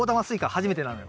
初めてなのよ。